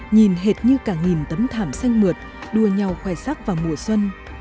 nhìn hệt như cả một tấm thảm xanh mượt đua nhau khoẻ sắc vào mùa xuân